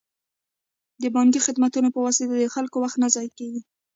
د بانکي خدمتونو په واسطه د خلکو وخت نه ضایع کیږي.